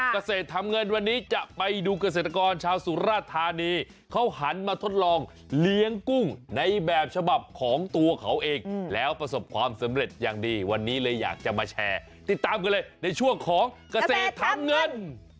เกษตรทำเงินวันนี้จะไปดูเกษตรกรชาวสุราธานีเขาหันมาทดลองเลี้ยงกุ้งในแบบฉบับของตัวเขาเองแล้วประสบความสำเร็จอย่างดีวันนี้เลยอยากจะมาแชร์ติดตามกันเลยในช่วงของเกษตรทำเงิน